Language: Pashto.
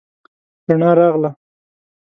رڼا راغله